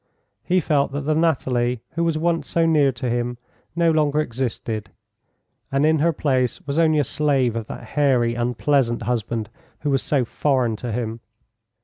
He felt that the Nathalie who was once so near to him no longer existed, and in her place was only a slave of that hairy, unpleasant husband, who was so foreign to him.